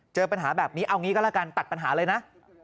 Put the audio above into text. เจอปัญหาแบบนี้เอางี้ก็แล้วกันตัดปัญหาเลยนะ